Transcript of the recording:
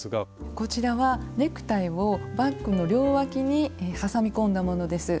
こちらはネクタイをバッグの両わきにはさみ込んだものです。